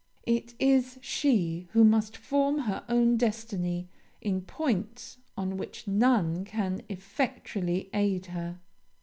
It is she who must form her own destiny in points on which none can effectually aid her.